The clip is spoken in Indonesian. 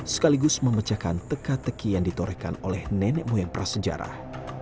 sekaligus memecahkan teka teki yang ditorehkan oleh nenek moyang prasejarah